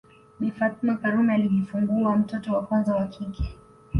Bi Fatuma Karume alijifungua mtoto wa kwanza wa kike